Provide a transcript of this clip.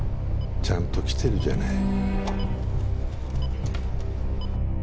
ちゃんと来てるじゃない。